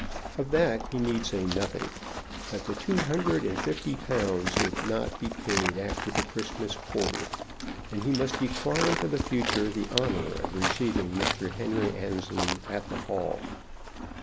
Of that he need say nothing. But the two hundred and fifty pounds would not be paid after the Christmas quarter, and he must decline for the future the honor of receiving Mr. Henry Annesley at the Hall.